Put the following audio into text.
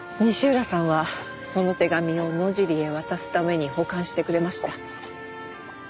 西浦さんはその手紙を野尻へ渡すために保管してくれました。